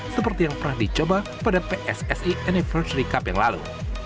seperti yang pernah dicoba pada pssi anniversary cup yang lalu